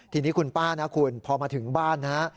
ทีนี้คุณป้านะคุณพอมาถึงบ้านนะฮะ